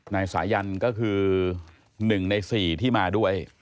นายสายันก็คือ๑ใน๔ที่มาด้วย